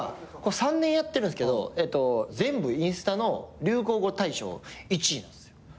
３年やってるんですけど全部インスタの流行語大賞１位なんですよ。